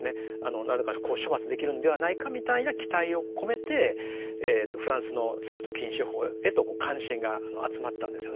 何らかの処罰できるんではないかみたいな期待を込めてフランスのセクト禁止法へとこう関心が集まったんですよね。